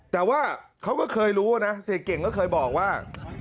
แต่ว่าเขาก็เคยรู้นะเสียเก่งก็เคยบอกว่า